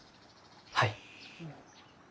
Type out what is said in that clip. はい。